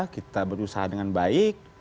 kita berusaha dengan baik